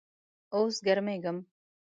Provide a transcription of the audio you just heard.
اوس ګرمیږم